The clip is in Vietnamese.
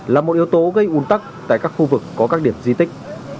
là một yếu tố gây ủn tắc tại các khu vực có các điểm di tích